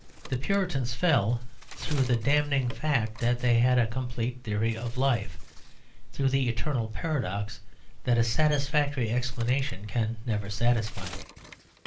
The Puritans fell, through the damning fact that they had a complete theory of life, through the eternal paradox that a satisfactory explanation can never satisfy.